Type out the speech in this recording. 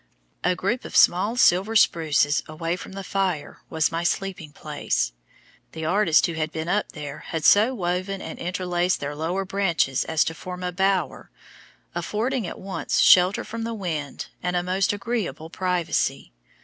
A group of small silver spruces away from the fire was my sleeping place. The artist who had been up there had so woven and interlaced their lower branches as to form a bower, affording at once shelter from the wind and a most agreeable privacy.